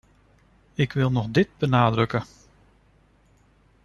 Ik wil nog dit benadrukken.